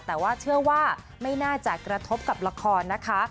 แต่ว่าเชื่อว่าไม่น่าจะกระทบกับละครนะคะ